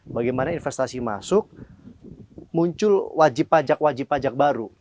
bagaimana investasi masuk muncul wajib pajak wajib pajak baru